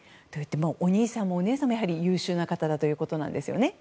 お兄さんもお姉さんも優秀な方ということです。